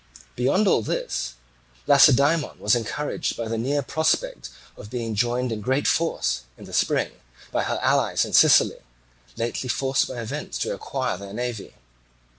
Beyond all this, Lacedaemon was encouraged by the near prospect of being joined in great force in the spring by her allies in Sicily, lately forced by events to acquire their navy.